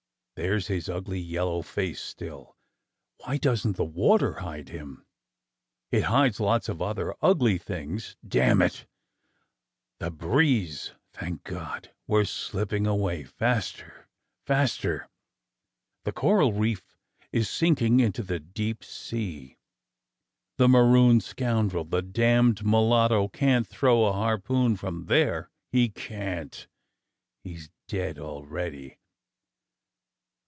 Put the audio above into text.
There's his ugly yellow face still! Why don't the water hide him? It hides lots of other ugly things, damn it ! The breeze, thank God ! We are slip ping away, faster, faster. The coral reef is sinking into the deep sea. The marooned scoundrel, the damned mulatto, can't throw a harpoon from there, he can't! He's dead already!